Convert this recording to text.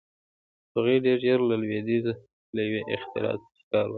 هغوی ډېر ژر له لوېدیځ له یوې اختراع څخه کار واخیست.